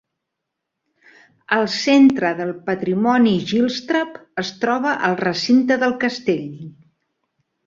El Centre del Patrimoni Gilstrap es troba al recinte del castell.